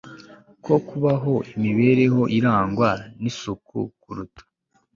ko kubaho imibereho irangwa nisuku kuruta